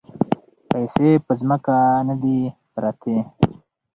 پیسې په ځمکه نه دي پرتې.